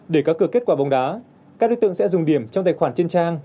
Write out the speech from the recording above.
để có cửa kết quả bóng đá các đối tượng sẽ dùng điểm trong tài khoản trên trang